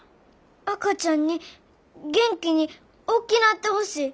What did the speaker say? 赤ちゃんに元気におっきなってほしい。